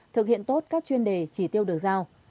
thực hiện tốt các chuyên đề chỉ tiêu được giao